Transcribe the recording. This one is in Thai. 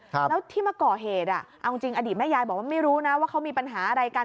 แล้วที่มาก่อเหตุอ่ะเอาจริงอดีตแม่ยายบอกว่าไม่รู้นะว่าเขามีปัญหาอะไรกัน